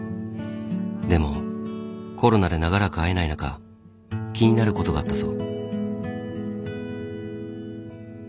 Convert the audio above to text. でもコロナで長らく会えない中気になることがあったそう。